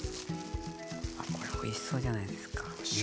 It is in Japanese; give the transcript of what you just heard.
これおいしそうじゃないですかね。